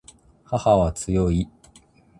母は強い